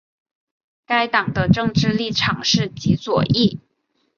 该党的政治立场是极左翼。